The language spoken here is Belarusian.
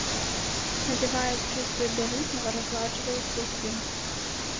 Надзяваюць чыстую бялізну, разгладжваюць вусы.